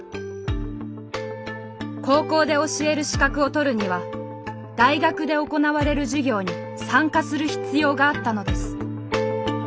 高校で教える資格を取るには大学で行われる授業に参加する必要があったのです。